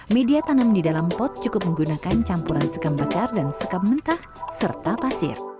media tanam di dalam pot cukup menggunakan campuran sekam bakar dan sekam mentah serta pasir